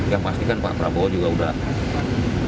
yang pastikan pak prabowo juga udah